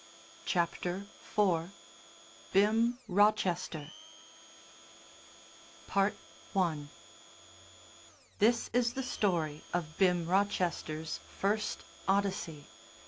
CHAPTER IV BIM ROCHESTER I This is the story of Bim Rochester's first Odyssey.